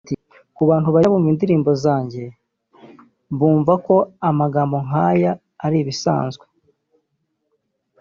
Agira ati “Ku bantu bajya bumva indirimbo zanjye bumva ko amagambo nk’aya ari ibisanzwe